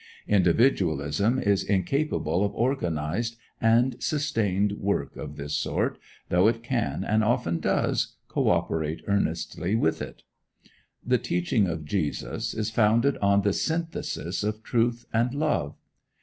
Individualism is incapable of organized and sustained work of this sort, though it can, and often does, coöperate earnestly with it. The teaching of Jesus is founded on the synthesis of Truth and Love.